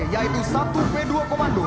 yaitu satu v dua komando